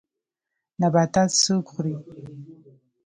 نباتات څوک خوري